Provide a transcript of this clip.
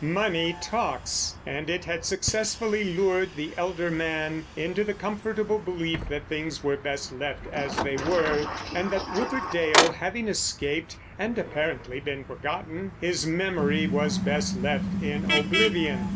Money talks, and it had successfully lured the elder man into the comfortable belief that things were best left as they were, and that Rupert Dale, having escaped and apparently been forgotten, his memory was best left in oblivion.